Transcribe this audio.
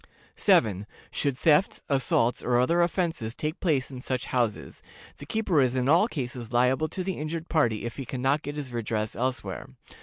"7. Should thefts, assaults, or other offenses take place in such houses, the keeper is in all cases liable to the injured party if he can not get his redress elsewhere.